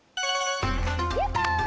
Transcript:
やった！